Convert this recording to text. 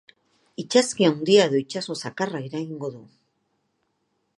Itsaski handia edo itsaso zakarra eragingo du.